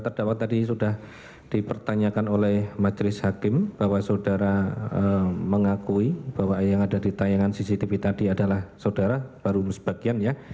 terdakwa tadi sudah dipertanyakan oleh majelis hakim bahwa saudara mengakui bahwa yang ada di tayangan cctv tadi adalah saudara baru sebagian ya